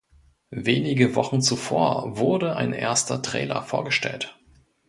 Wenige Wochen zuvor wurde ein erster Trailer vorgestellt.